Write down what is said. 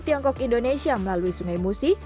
tiongkok indonesia melalui sungai musi